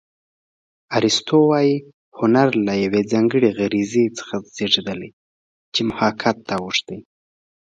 ارستو وايي هنر له یوې ځانګړې غریزې څخه زېږېدلی چې محاکات ته اوښتې